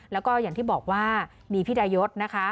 แล้วก็อย่างที่บอกว่ามีพี่ดายศนะคะ